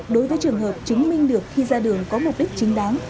đối với trường hợp chứng minh được khi ra đường có mục đích chính đáng